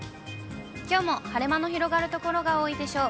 きょうも晴れ間の広がる所が多いでしょう。